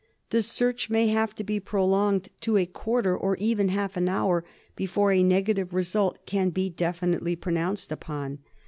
The search may have to be prolonged to a quarter or even half an hour before a negative result can be definitely pronounced upon.